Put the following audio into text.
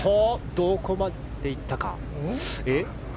どこまでいったか。